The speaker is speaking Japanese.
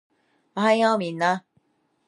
おはようみんな